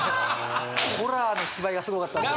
ホラーの芝居がすごかったんで。